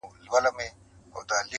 • د ملالي دننګ چيغي -